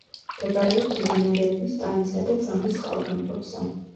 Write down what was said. მდებარეობს მდინარეების ტანისა და ძამის წყალგამყოფზე.